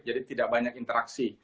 jadi tidak banyak interaksi